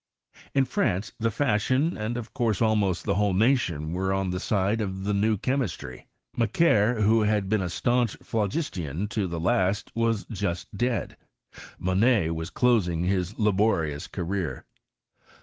In France the fashion, and of course almost the whole nation, were on the side of the new che mistry, Macquer, who had been a stanch phlo gistian to the last, was just dead, Monnet was closing his laborious career.